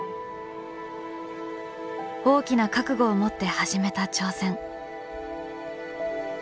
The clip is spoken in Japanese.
大きな覚悟を持って始めた挑戦。